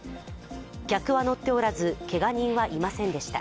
客は乗っておらず、けが人はいませんでした。